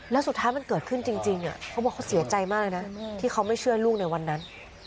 แล้วสุดท้ายมันเกิดขึ้นจริงเขาบอกเขาเสียใจมากเลยนะที่เขาไม่เชื่อลูกในวันนั้น